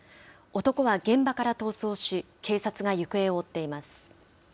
男は現場から逃走し、警察が行方を追っています。